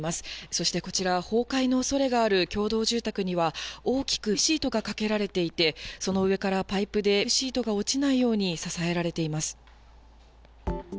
そして、こちら、崩壊のおそれがある共同住宅には、大きくシートがかけられていて、その上からパイプでシートが落ちないように支えられています。